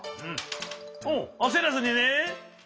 おっあせらずにね。